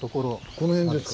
この辺ですか。